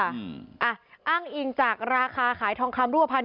อ่ะอ้างอิงจากราคาขายทองคำรูปภัณฑ